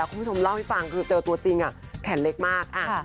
คุณผู้ชมเล่าให้ฟังคือเจอตัวจริงแขนเล็กมาก